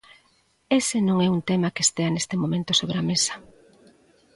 Ese non é un tema que estea neste momento sobre a mesa.